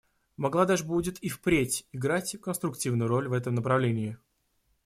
Бангладеш будет и впредь играть конструктивную роль в этом направлении.